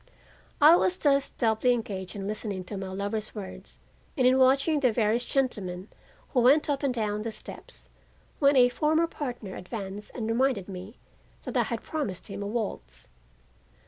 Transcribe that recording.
I was thus doubly engaged in listening to my lover's words and in watching the various gentlemen who went up and down the steps, when a former partner advanced and reminded me that I had promised him a waltz.